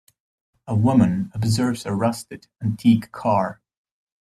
A woman observes a rusted antique car.